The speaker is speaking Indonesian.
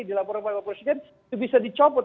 dilaporkan oleh presiden itu bisa dicopot